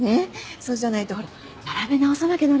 そうじゃないとほら並べ直さなきゃならなくなる。